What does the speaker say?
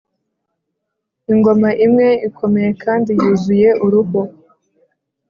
ingoma imwe ikomeye kandi yuzuye uruhu,